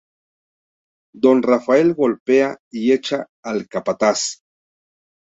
Don Rafael golpea y echa al capataz.